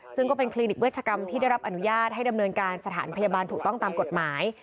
ซึ่งก็เป็นคลินิกเวชกรรมที่ได้รับอนุญาตให้ดำเนินการสถานพยาบาลถูกต้องตามกฎหมาย